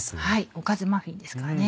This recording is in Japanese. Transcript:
おかずマフィンですからね。